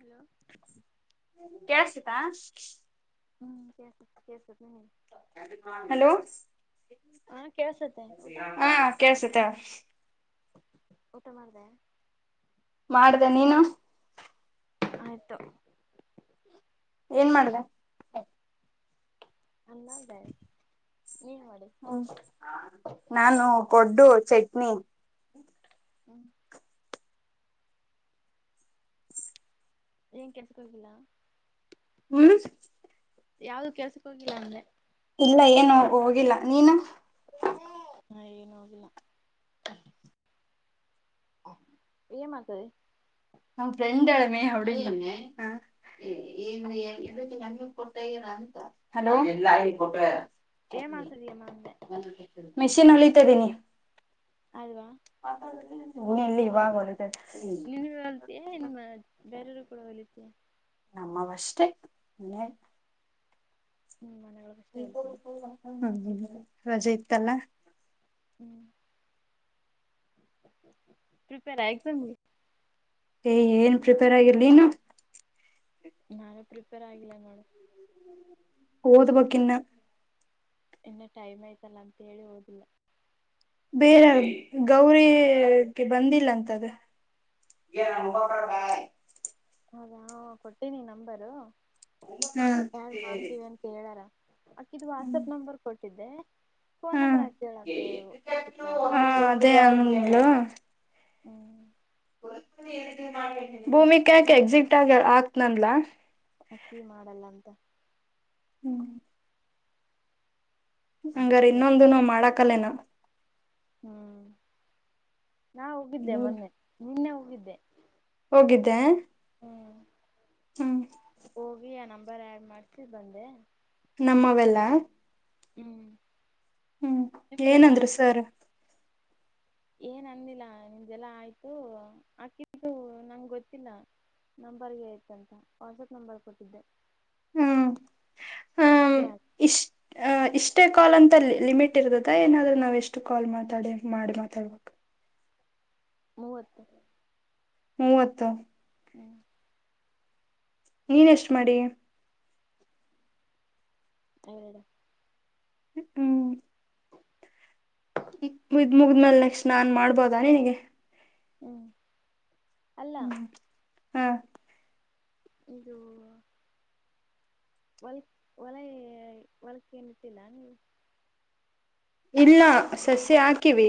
Hello ಕಳಸ್ತತಾ. ಹು ಕೆಳಸತ್ ಕೆಳಸತ್ ಹೇಳಿ. ಹಲೋ ಹಾ ಕೇಳ್ಸತ್ತೆ ಊಟ ಹಾ ಕೇಳಸುತ್ತೆ. ಊಟ ಮಾಡಿದ್ಯಾ. ಮಾಡ್ದೆ ನೀನು. ಆಯ್ತು. ಏನ್ ಮಾಡ್ದೆ. ಅನ್ನಾ ದೈ ನೀ ಮಾಡಿದಿ. ಹು ನಾನು ಪಡ್ಡು ಚಟ್ನಿ. ಹು ಏನ ಕೆಲ್ಸಕ್ಕ ಹೋಗಿಲ್ಲಾ. ಹುಉ. ಯಾವುದು ಕೆಲ್ಸಕ್ಕ ಹೋಗಿಲ್ಲಾ ಅಂದೆ. ಇಲ್ಲಾ ಏನು ಹೋಗಿಲ್ಲಾ ನೀನು. ಬೇರೆ ಹಾ ಏನು ಹೊಗಿಲ್ಲಾ. ಅ ಏನ್ ಮಾಡ್ತಾಇದ್ದಿ. ನಾವು ಫ್ರೆಂಡ್ ಹೇಳಮೆ ಹೊಡೀತಾನೆ ಹ ಏನು ಹೆಂಗ ಇದುಕ ಹೆಂಗ ಕೊಟ್ಟವಿದ ಅಂತ ಹಲೋ ಏನ್ ಮಾಡ್ತಿದೀಯಮ್ಮ ಅಂದೆ ಮೆಷಿನ್ ಹೋಲಿತಿದ್ದೀನಿ. ಅಲ್ವಾ ಮಾತಾಡಬೇಕಿಲ್ಲ ಇನ್ನು ಇಲ್ಲ ಇವಾಗ ಹೊಲಿತಾಇದೆನಿ. ನೀನುವ ಹೊಲ್ಯಾತಿಯ ಏನ ಬೇರೆರಿಗೆ ಕೂಡುವು ಹೊಲಿತಿಯ. ನಮ್ಮವಷ್ಟೆ ಮನ್ಯಾಗ. ಹು ಮನೆವಳಗ. [unintelligible] ರಜೆ ಇತ್ತಲ್ಲ ಹು ಪ್ರಿಪೇರಾ ಎಕ್ಸಾಮ. [unintelligible] ಏನ್ ಪ್ರಿಪೇರ್ [unintelligible] ನೀನು? [unintelligible] ಪ್ರಿಪೇರ್ ಆಗಿಲ್ಲ ಮೇಡಮ್. ಓದ್ಬೇಕ ಇನ್ನ ಇನ್ನ ಟೈಮ್ ಅಯ್ತಲ್ಲ ಅಂತ ಹೇಳಿ ಓದಿಲ್ಲ. ಬೇರೆ ಗೌರಿಗೆ ಬಂದಿಲ್ಲ ಅಂತದ. [unintelligible] ಹೌದಾ ಕೊಟ್ಟೀನಿ ನಂಬರು ಹ್ಮ್ ಆಡ್ ಮಾಡ್ತೀವಿ ಅಂತ ಹೇಳಾರ. ಆಕಿದ್ ಹ್ಮ್ ವಾಟ್ಸಪ್ ನಂಬರ್ ಕೊಟ್ಟಿದ್ದೆ. ಫೋನ್ ಹ್ಮ್ ನಂಬರ್ ಹಾ [unintelligible] ಅದೇ ಅಂದ್ಲು ಹ್ಮ ಭೂಮಿಕಾ ಯಾಕ್ ನಾ ಎಕ್ಸಿಟ್ ಆಗ ಆಕ್ನನ್ಲಾ? ಆಕಿ ಮಾಡಲ್ಲ ಅಂತ. ಹ್ಮ ಹಂಗಾರ ಅದಕ್ಕೆ ಇನ್ನೊಂದುನು ಮಾಡಕಲ್ಲೇನ? ಹ್ಮ ನಾ ಹೋಗಿದ್ದೆ ಮೊನ್ನೆ ನಿನ್ನೆ ಹೋಗಿದ್ದೆ. ಹೋಗಿದ್ದೆ? ಹ್ಮ್ ಹೋಗಿ ಆ ನಂಬರ್ ಆಡ್ ಮಾಡ್ಸಿ ಬಂದೆ. ನಮ್ಮವೆೆಲ್ಲ? ಹ್ಮ ಹ್ಮ ಏನಂದ್ರು ಸರ್? ಏನ್ ಅಂದಿಲ್ಲ ನಿಮ್ದೆಲ್ಲ ಆಯ್ತು ಆಕಿದು ನಂಗ್ ಗೊತ್ತಿಲ್ಲ ನಂಬರ್ ಏಟ್ ಅಂತ? ವಾಟ್ಸಪ್ ನಂಬರ್ ಕೊಟ್ಟಿದ್ದೆ. [unintelligible] ಇಷ್ ಟ ಹ ಇಷ್ಟೇ ಕಾಲ್ ಅಂತ ಲಿಮಿಟ್ [unintelligible] ಏನಾದ್ರೆ ನಾವ್ ಎಷ್ಟು ಕಾಲ್ ಮಾತಾಡಿ ಮಾಡಿ ಮಾತಾಡ್ಬೇಕ? ಮೂವತ್ತು ಮೂವತ್ತು ಹ್ಮ ನೀನ್ ಎಷ್ಟ ಮಾಡಿಯ? ಎರಡು [unintelligible] [unintelligible] ಮುಗಿದ್ಮೇಲೆ ನೆಕ್ಸ್ಟ ನಾನ್ ಮಾಡ್ಬೋದಾ ನಿನಗೆ? ಹ್ಮ ಅಲ್ಲ ಹಾ ಇದು ಹೊಲ್ ಹೊಲ ಹೊಲಕ್ ಏನ್ ಇಟ್ಟಿಲ್ಲ ನೀವು? ಇಲ್ಲ ಸಸ್ಯ ಹಾಕಿವಿ.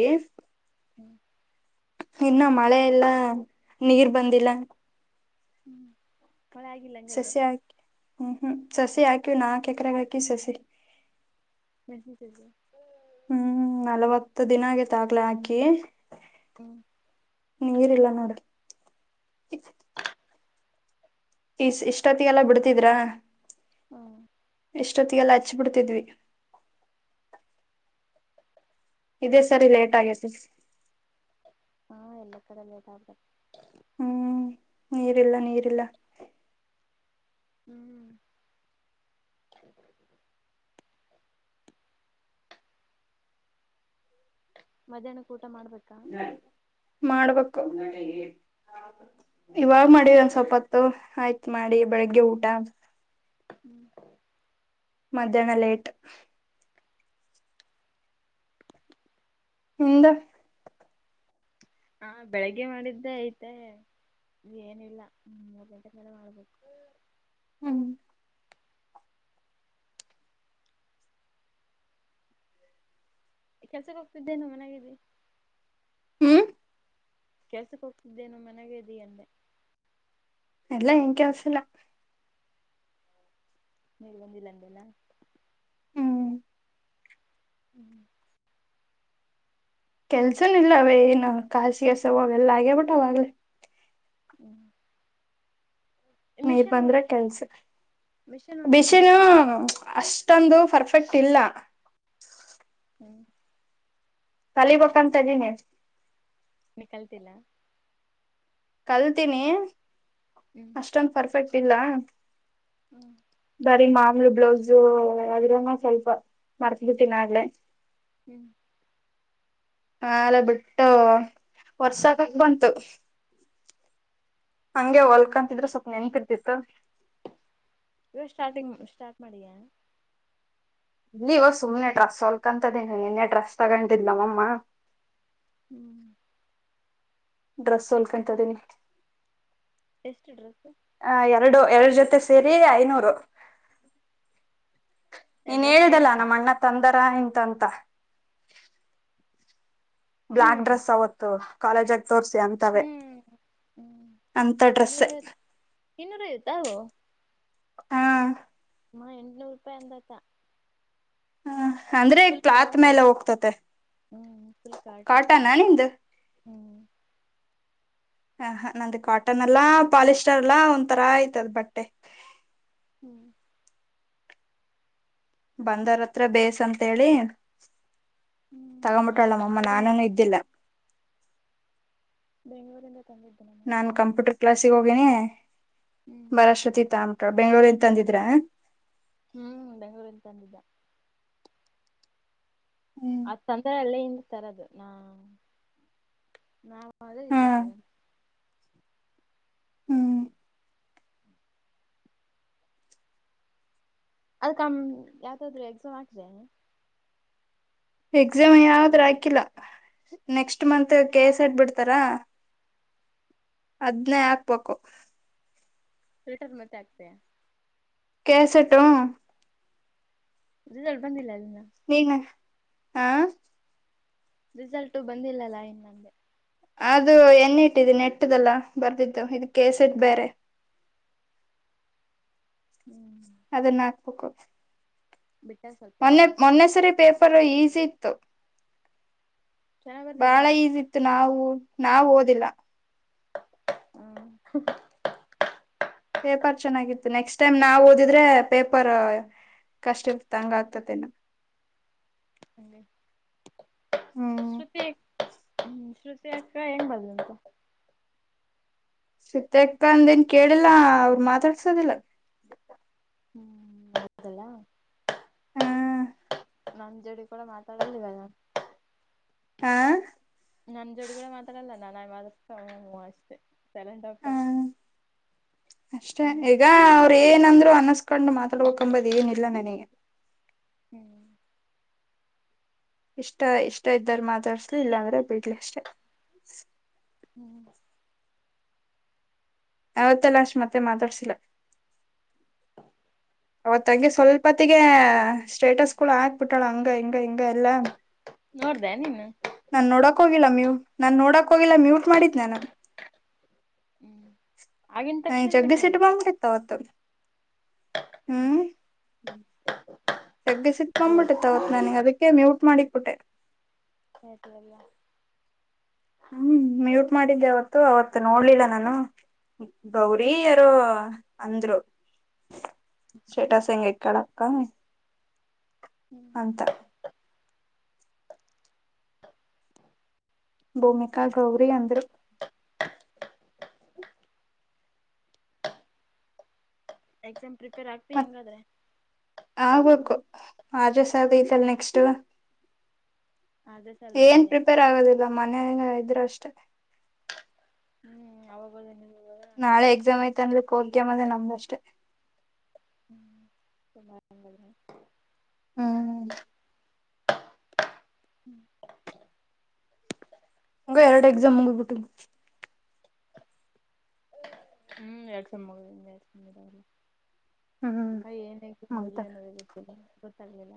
ಹ್ಮ ಇನ್ನ ಮಳೆ ಎಲ್ಲಾ ನೀರ್ ಬಂದಿಲ್ಲ. ಹ್ಮ [unintelligible] ಸಸ್ಯ ಹಾಕಿ ಹ್ಮ ಹ್ಮ ಸಸಿ ಹಾಕಿವ್ ನಾಲ್ಕ ಎಕರೆಗ ಹಾಕಿ ಸಸಿ. ಮೆನಸಿನ ಸಸಿಯ? ಹ್ಮ ನಲ್ವತ್ತು ದಿನ ಆಗೇತ್ ಆಗ್ಲೇ ಹಾಕಿ. ಹ್ಮ ನೀರ್ ಇಲ್ಲ ನೋಡ್ರಿ. [inaudible] ಈ ಇಷ್ಟೊತ್ತಿಗೆ ಎಲ್ಲ ಬಿಡ್ತಿದ್ರಾ. ಹು. ಎಷ್ಟೊತ್ತಿಗೆಲ್ಲ ಹಚ್ಚಬುಡ್ತಿದ್ವಿ. ಇದೇ ಸರಿ ಲೇಟ್ ಆಗೇತಿ. ಹಾ ಎಲ್ಲ ಕಡೆ ಲೇಟ್ ಆದ್ರೆ. ಹ್ಮ್ ನೀರಿಲ್ಲ ನೀರಿಲ್ಲ. ಹ್ಮ್. ಮಧ್ಯಾಹ್ನಕ್ ಊಟ ಮಾಡ್ಬೇಕಾ. ಮಾಡ್ಬೇಕು. ಇವಾಗ ಮಾಡಿದ ಒಂದ ಸ್ವಲ್ಪತ್ತು ಆಯ್ತು ಮಾಡಿ ಬೆಳಗ್ಗೆ ಊಟ. ಹ್ಮ್. ಮಧ್ಯಾಹ್ನ ಲೇಟ್. ಹ್ದ. [unintelligible] ಹಾ ಬೆಳಿಗ್ಗೆ ಮಾಡಿದ್ದೆ ಐತೆ ಏನಿಲ್ಲ ಹ್ಮ ಮೂರ್ ಗಂಟೆ ಮೇಲೆ ಮಾಡ್ಬೇಕು. ಹ್ಮ್. ಕೆಲ್ಸಕ್ಕೆ ಹೋಗ್ತಿದ್ದೇನು ಮನೆಗಿದ್ದಿ. ಹ್ಮ್. ಕೆಲ್ಸಕ್ ಹೋಗ್ತಿದ್ದೇನು ಮನಗೇ ಇದಿ ಅಂದೆ. ಎಲ್ಲಾ ಎನ್ ಕೇಲಸಿಲ್ಲ. ನೀರ್ ಬಂದಿಲ್ಲ ಅಂದೆಲ್ಲ. ಹ್ಮ್ ಹ್ಮ್. ಕೆಲ್ಸ ಇಲ್ಲವೇನು ಖಾಸಿಸವೆಲ್ಲ ಆಗ್ಯಬಿಟ್ಟ ಅವಾಗ್ಲಿ. ಹ್ಮ್. ನೀರ್ ಮಿಷನ್ ಬಂದ್ರೆ ಒಂದ ಕೆಲ್ಸ್ ಮಿಷನ್ ಒಂದ್ ದಿನಕ್ಕೆ ಬಿಸಿಲ್ ಎಷ್ಟು ಅಷ್ಟ. ಟೊನ್ದು ಪರ್ಫೆಕ್ಟ್ ಇಲ್ಲ. ಹ್ಞ. [unintelligible] ಇದೀನಿ. ನಿ ಕಲ್ತಿಲ್ಲಾ. ಕಲ್ತೀನಿ. ಹ್ಮ್. ಅಷ್ಟೊಂದು ಪರ್ಫೆಕ್ಟ್ ಇಲ್ಲ. ಹ್ಮ್. ಬರೀ ಮಾಮೂಲು ಬ್ಲೌಸು ಅದ್ರನ್ನ ಸ್ವಲ್ಪ ಮರ್ತ ಬಿಟ್ಟಿನ್ ಆಗ್ಲೆ. ಹ್ಮ್. ಆಲೆ ಬಿಟ್ಟು ವರ್ಸಾಕಕ್ ಬಂತು. ಹಂಗೆ ಹೊಲ್ಕಂತಿದ್ರೆ ಸ್ವಲ್ಪ ನೆನಪಿರ್ತಿತ್ತು. ಇವ ಸ್ಟಾರ್ಟಿಂಗ್ ಸ್ಟಾರ್ಟ್ ಮಾಡಿಯಾ. [unintelligible] ಸುಮ್ಮನೆ ಡ್ರೆಸ್ ಹೊಲ್ಕಂತದೇ ನೀನು ಏನೇ ಡ್ರೆಸ್ ತಗಂಡತ್ತಿದ್ಲು ನಮಮ್ಮ. ಹ್ಮ್. ಡ್ರೆಸ್ ಎಷ್ಟು ಹೋಲ್ಕೊಂತದೀನಿ. ಎಷ್ಟು ಡ್ರೆಸ್ಸು. ಆ ಎರಡು ಎರಡು ಜೊತೆ ಸೇರಿ ಐನೂರು. ನೀನ್ ಡ್ರೆಸ್ ಹೇಳ್ದಲ್ಲ ಪೀಸಾ ನಮ್ಮ ಅಣ್ಣ ತಂದರ ಅಂತಂತ. ಬ್ಲ್ಯಾಕ್ ಹ್ಮ್ ಡ್ರೆಸ್ ಅವತ್ತು ಕಾಲೇಜಾಗ ತೋರ್ಸಿ ಅಂ. ಹ್ಮ್ ಹ್ಮ್ ಡ್ರೆಸ್ ಇನ್ನೂರ ಐವತ್ತ ಇನ್ನೂರ ಐವತ್ತಾ ಅವು. [inaudible] ಹಾ. [unintelligible] ಮಾ ಎಂಟನೂರು ರೂಪಾಯಿ ಒಂದಕ್ಕ. [inaudible] ಹ ಅಂದ್ರೆ ಫುಲ್ ಕ್ಲಾತ್ ಫ್ಲ್ಯಾಟ್ ಮೇಲೆ ಅನ್ ಹೋಗ್ತತೆ ಹ್ಞ ಫುಲ್ ಫ್ಲ್ಯಾಟ್ ಅಂದ ಕಾಟನಾ ನಿಂದು [inaudible] ಹ್ಞ. [unintelligible] ಹ ಹಾ ನಂದ ಕಾಟನ್ ಅಲ್ಲಾ ಪಾಲಿಸ್ಟರ್ ಅಲ್ಲಾ ಒಂತರಾ ಐತದ ಬಟ್ಟೆ. [inaudible] ಹ್ಮ್. [unintelligible] ಬಂದರ ಹತ್ರ ಬೇಸ್ ಅಂತ ಹೇಳಿ ಹ್ಮ್ ತಗೊಬಿಟ್ಟಳ ಅದು ನಮ್ಮ ಅಮ್ಮ ಬೆಂಗಳೂರಿನ್ ನಾನುನು ಇದ್ದಿಲ್ಲ. [inaudible] ಬೆಂಗಳೂರಿಂದ ತಂದಿದ್ದೆ ನಾನ್. [inaudible] ನಾನ್ ಕಂಪ್ಯೂಟರ್ ಕ್ಲಾಸಿಗೆ ಹೋಗೀನಿ ಹ್ಮ್ ಬರು ಅಷ್ಟತಿಗೆ ತೊಗೊಂಬಿಟ್ಟರಾ ಬೆಂಗಳೂರಿಂದ ತಂದಿದ್ರ. [inaudible] ಹೂಂ ಬೆಂಗಳೂರಿಂದ ತಂದಿದ್ದ. [inaudible] ಹ್ಮ್. [unintelligible] ಆತ ತಂದರೆ ಅಲ್ಲೇ ಇಂದ ತರೋದು ನಾ ನಾವ ಅಲ್ಲೇ ಹಾ ಇದರ ತೊಗೊಂಡ. [inaudible] ಹ್ಮ್. [inaudible] ಅದಕ್ಕಮ ಯಾವದಾದ್ರು ಎಕ್ಸಾಮ್ ಹಾಕಿದಿಯಾ. [inaudible] ಎಕ್ಸಾಮ್ ಯಾವದರ ಹಾಕಿಲ್ಲ ನೆಕ್ಸ್ಟ್ ಮಂತ್ ಕೆ ಎಸ್ ಹಾಕ್ ಬಿಡ್ತಾರಾ. [inaudible] ಅದನೇ ಹಾಕಬೇಕು. [inaudible] ಸ್ಟೇಟಸ್ ಮತ್ತೆ ಆಗ್ತಾಯಾ. [inaudible] ಕೇಳಸಟ್ಟು. [unintelligible] ಇಂಜಿನಿಯರ್ ಬಂದಿಲ್ಲ ಅಲ್ಲ ಇನ್ನ. [inaudible] ನೀನ್ ಹಾ. [inaudible] [inaudible] ರಿಸಲ್ಟ ಬಂದಿಲ್ಲಲ್ಲಾ ಇನ್ನ ಅಂದೆ. ಅದು ಎನೇ ಇಟ್ಟಿದಿನೀ ನೆಟ್ ದಲ್ಲ ಬರ್ದಿದ್ದು ಇದು ಕೆಸೆಟ್ ಬೇರೆ. [inaudible] ಹ್ಮ್. [unintelligible] ಅದನ್ನ ಹಾಕಬೇಕು. [inaudible] ಬಿಟ್ಟಾರಾ ಸ್ವಲ್ಪ. [unintelligible] [inaudible] ಮೊನ್ನೆದ ಮೊನ್ನೆ ಸರಿ ಪೇಪರ್ ಈಸಿ ಇತ್ತು. ಚೆನ್ನಾಗ್ ಬರ್ದಿ ಬಾಳ ಹೆಂಗದ ಈಸಿ ಇತ್ತು ನಾವು ನಾವ್ ಓದಿಲ್ಲ. [inaudible] ಹ್ಮ್. [inaudible] ಪೇಪರ್ ಚೆನ್ನಾಗಿತ್ತು ನೆಕ್ಸ್ಟ್ ಟೈಮ್ ನಾವ್ ಓದಿದ್ರೆ ಪೇಪರ್. [inaudible] ಕಷ್ಟ ಇರ್ತ ಹಂಗ ಆಗ್ತದ ಏನು. [inaudible] ಹಂಗೆ. [unintelligible] [inaudible] ಹ್ಮ್ ಶೃತಿ ಹ್ಮ ಶೃತಿ ಅಕ್ಕಾ ಹೆಂಗ್ ಬಂದಲ್ಲ ಅಂತ. ಶೃತಿ ಅಕ್ಕಾ ಅಂದ ಏನ್ ಕೇಳಿಲ್ಲಾ ಅವರ ಮಾತಾಡ್ಸೋದಿಲ್ಲ. [inaudible] ಹ್ಮ್ ಹೌದ ಅಲ್ಲಾ. ಹ್ಮ [inaudible] [inaudible] ನಮ್ಮ ಜೋಡಿ ಕೂಡ ಮಾತಾಡಲ್ಲ ಇವಾಗ. ಹಾ. [unintelligible] ನನ್ನ ಜೋಡಿಗಳ ಮಾತಾಡಲ್ಲ ನಾನ್ ಆಗಿ ಮಾತಡಾಸತ್ತ ಹೂ ಅಷ್ಟೇ ಸೈಲೆಂಟ್ ಹ ಆಗ್ತಾತಾಳ. [inaudible] ಅಷ್ಟೇ ಈಗ ಅವರ ಏನಂದ್ರು ಅನ್ನಸ್ಕೊಂಡು ಮಾತಾಡ್ಬೇಕಂಬದ ಏನಿಲ್ಲ ನನಗೆ. [inaudible] ಹ್ಮ್. [unintelligible] ಇಷ್ಟ ಇಷ್ಟ ಇದ್ದಾರ ಮಾತಾಡಸಲ್ಲಿ ಇಲ್ಲಾಂದ್ರೆ ಬಿಡ್ಲಿ ಅಷ್ಟೇ. [inaudible] ಹ್ಮ್. [unintelligible] ಅವತ್ತ ಲಾಸ್ಟ್ ಮತ್ತೆ ಮಾತಾಡ್ಸಿಲ್ಲ. [inaudible] [inaudible] ಅವತ್ ಹಂಗೆ ಸ್ವಲ್ಪೊತ್ತಗೆ ಸ್ಟೇಟಸ್ ಕೂಡ ಹಾಕಬಿಟ್ಟಳ ಹಂಗ ಹಿಂಗ ಹಿಂಗ ಎಲ್ಲಾ. ನೋಡದೇ ನೀನು. [inaudible] ನಾನ್ ನೋಡಕ್ ಹೋಗಿಲ್ಲ ಅಮಯು ನಾನ್ ನೋಡಕ್ ಹೋಗಿಲ್ಲ ಮ್ಯೂಟ್ ಮಾಡಿದ್ದ ನಾನು. [inaudible] ಹ್ಮ್ ಆಗಿನ ಏ ತಕ್ಷಣ ಜಗ್ಗಿ ಮೀಟ್ ಸಿಟ್ಟ್ ಮಾಡ್ಬಿಟ್ಟೆ ಬಂದಿತ್ ಅವತ್ತ ಹ್ಮ್. ಜಗ್ಗಿ ಸಿಟ್ಟ್ ಬಂದ ಬಿಟ್ಟಿತ್ ಅವತ್ ನನಗ್ ಅದಕ್ಕೆ ಮ್ಯೂಟ್ ಮಾಡಿ ಇತ್ಬಿಟ್ಟೆ. ಮ್ಯೂಟ್ [unintelligible] ಹ್ಮ್ ಮ್ಯೂಟ್ ಮಾಡಿದ್ದೆ ಅವತ್ತು ಅವತ್ ನೋಡ್ಲಿಲ್ಲ ನಾನು. ಗೌರಿ ಯಾರೋ ಅಂದ್ರು. ಸ್ಟೇಟಸ್ ಎಂಗ ಇಕಳಕ್ಕ. ಹ್ಮ್. ಅಂತಾ. ಭೂಮಿಕಾ ಗೌರಿ ಅಂದ್ರು. ಎಕ್ಸಾಮ್ ಪ್ರಿಪೇರ್ ಆಗ್ತಿ ಮತ್ ಹಂಗಾದ್ರೆ. ಆಗ್ಬೇಕು ಆರ್ಜೆ ಸರ್ದ ಐತಲ್ಲ ನೆಕ್ಸ್ಟ್. ಅದೇ ಸಲ್ ಏನ್ ಆಗ್ತಯಾ ಪ್ರಿಪೇರ್ ಆಗೋದಿಲ್ಲ ಮನೆಲ್ ಇದ್ರೆ ಅಷ್ಟೇ. ಹ್ಮ್ ಅಗೋ [unintelligible] ನಾಳೆ ಎಕ್ಸಾಮ್ ಐತ ಅಂದ್ರೆ [unintelligible] ನಮ್ದಷ್ಟೇ. ಹ್ಮ್ ಸುಮ್ ಆದ್ ಹಂಗದ್ರೆ. ಹ್ಮ್ ಹಂಗ ಎರಡ ಎಕ್ಸಾಮ್ ಮುಗದಬುಟ್ಟು. ಹ್ಮ್ ಎಕ್ಸಾಮ್ ಮುಗಿದು [unintelligible] ಹ್ಮ್ ಅಯ ಏನ್ ಎಕ್ಸಾಮ್ ಮುಗಿತ ಬರ್ದೀ ಅನ್ನದೆ ಗೊತ್ತಿಲ್ಲ ಗೊತ್ತಾಗ್ಲಿಲ್ಲ.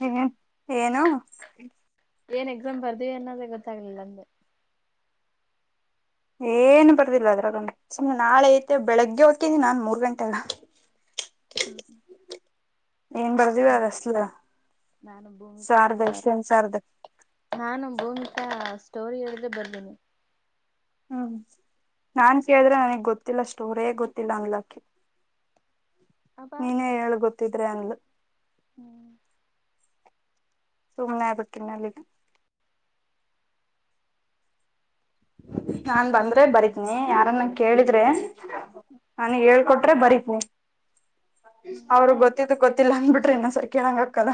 ಹೆ ಏನು. ಏನ್ ಎಕ್ಸಾಮ್ ಬರ್ದೀವಿ ಅನ್ನೋದೇ ಗೊತ್ತಾಗಲಿಲ್ಲ ಅಂದೆ. ಏನ್ ಬರ್ದಿಲ್ಲ ಅದ್ರಗನ ಸುಮ್ನೆ ನಾಳೆ ಐತೆ ಬೆಳಗ್ಗೆ ಓತಿನಿ ನಾನ್ ಮೂರ್ ಗಂಟೆ ಎಲ್ಲ. ಹ್ಮ್ ಹ್ಮ್. ಏನ್ ಬರ್ದಿಳ ಅದ [unintelligible] ನಾನು ಭೂಮಿಕಾ ಸಾರದ ಇಷ್ಟನ್ ಸಾರದ ನಾನು ಭೂಮಿಕಾ ಸ್ಟೋರಿ ಹೇಳಿದ್ ಬರ್ದಿನಿ. ಹ್ಮ್ ನಾನ್ ಕೇಳಿದ್ರೆ ನನಗ್ ಗೊತ್ತಿಲ್ಲ ಸ್ಟೋರೇ ಗೊತ್ತಿಲ್ಲ ಅಂದಲಕ್ಕಿ. [inaudible] ನೀನೇ ಹೇಳ ಗೊತ್ತಿದ್ರೆ ಅಂದ್ಲು. ಹ್ಮ್. ಸುಮ್ಮ್ ಆಗ್ ಬಿಟ್ನಿ ಅಲ್ಲಿಗೆ. ನಾನ್ ಬಂದ್ರೆ ಬರತಿನಿ ಯಾರನ್ನ ಕೇಳಿದ್ರೆ. ನನಿಗ ಹೇಳ್ಕೊಟ್ರೆ ಬರೀಬೋ ಹ್ಮ್ ಅವ್ರು ಗೊತ್ತಿದ್ದು ಗೊತ್ತಿಲ್ಲ ಅಂದಬಿಟ್ರೆ ಇನ್ನೊಂದ ಸರಿ ಕೇಳಂಗಕ್ಕದ.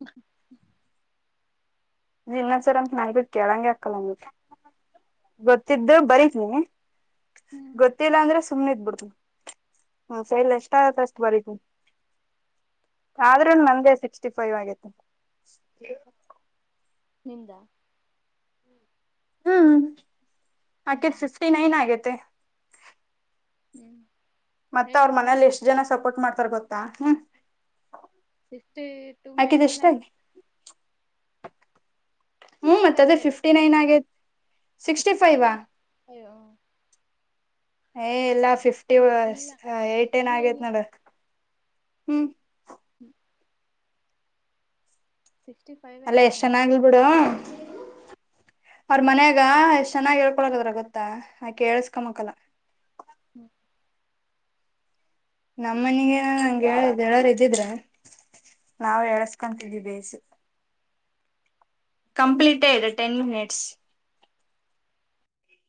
ಹ್ಮ ಹಿನ್ನೊಂದ ಸಲ ಅಂತ ಬಾಯಿ ಬಿಟ್ ಕೇಳಂಗೆ ಆಕಲ್ಲ [unintelligible] ಹ್ಮ್ ಗೊತ್ತಿದ್ದು ಬರೀತಿನಿ. ಹ್ಮ್ ಗೊತ್ತಿಲ್ಲ ಅಂದ್ರೆ ಸುಮ್ನೆ ಇದ್ ಬಿಡ್ತೀನಿ ಹ ನನ್ ಕೈಲಿ ಎಷ್ಟ ಆಗತ್ ಅಷ್ಟ ಬರೀತಿನಿ. ಆದ್ರೂ ನಂದೇ ಸಿಕ್ಸ್ಟಿ ಫೈವ್ ಆಗೈತ್ತೆ. ನಿಂದಾ. ಹ್ಮ್ ಅಕಿದ ಹ್ಮ್ ಸಿಕ್ಸ್ಟಿ ನೈನ್ ಆಗೈತೆ. ಹ್ಮ ಮತ್ತ ಅವ್ರ ಮನೇಲ ಎಷ್ಟ ಜನ ಸಪೋರ್ಟ್ ಮಾಡ್ತಾರ ಗೊತ್ತಾ ಹ್ಮ. ಸಿಕ್ಸ್ಟಿ ಟು ಮೇಲೆನೆ ಇರ್ ಹ್ಮ್ ಸಿಕ್ಸ್ಟಿ ಮತ್ತ ಫೈವ್ ಅದೇ ಆಗೈತೆ ಫಿಫ್ಟಿ ಅಕಿದು ನೈನ್ ಆಗೇತ್ ಸಿಕ್ಸ್ಟಿ ಫೈವಾ ಅಯ್ಯೋ ಏ ಇಲ್ಲ ಫಿಫ್ಟಿ ಇಲ್ಲ ಅ ಏಟ್ ಏನ್ ಇಲ್ಲ ಆಗೇತ್ ಇಲ್ಲ ನೋಡ. ಹ್ಮ್ ಹ್ಞ ಸಿಕ್ಸ್ಟಿಫೈವ್ ಅಲ್ಲ ಎಷ್ಟ್ ಚೆನ್ನಾಗಿಲ್ ಬಿಡು ಅವ್ರ ಮನ್ಯಾಗ ಎಷ್ಟ್ ಚೆನ್ನಾಗಿ ಹೇಳ್ಕೊಳಕದ್ರ ಗೊತ್ತ ಆಕೇ ಹೆಳ್ಸ್ಕೊ ಮಕ್ಕಲ್ಲ ಹು ನಮ್ಮನಿಗೆ ನಂಗೆ ಹೇಳ ಹೇಳೋರ್ ಇದ್ದಿದ್ರೆ ನಾವು ಎಳ್ಸ್ಕೊತಿದವಿ ಬೇಸು ಕಂಪ್ಲೀಟೇ ಇದೆ ಟೆನ್ ಮಿನಿಟ್ಸ್